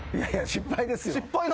失敗ですよ。